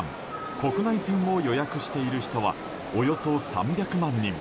国内線を予約している人はおよそ３００万人。